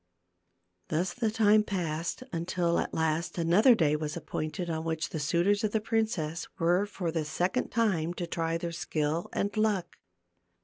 Thus the time passed, until at last another day was appointed on which the suitors of the princess were for the second time to try their skill and luck.